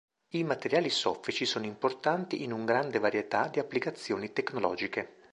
I materiali “soffici” sono importanti in un grande varietà di applicazioni tecnologiche.